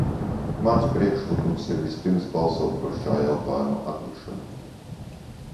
Mans priekšlikums ir vispirms balsot par šā jautājuma atlikšanu.